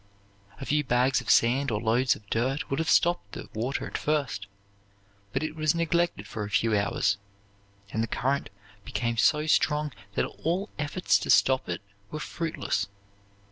A few bags of sand or loads of dirt would have stopped the water at first; but it was neglected for a few hours, and the current became so strong that all efforts to stop it were fruitless.